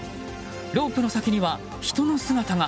ロープの先には人の姿が。